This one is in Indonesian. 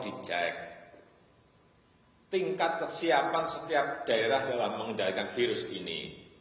dicek tingkat kesiapan setiap daerah dalam mengendalikan virus ini